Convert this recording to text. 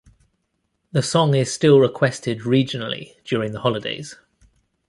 The song is still requested regionally during the holidays.